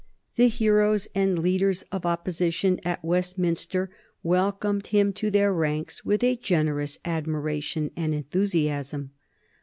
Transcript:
The heroes and leaders of Opposition at Westminster welcomed him to their ranks with a generous admiration and enthusiasm.